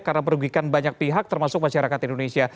karena merugikan banyak pihak termasuk masyarakat indonesia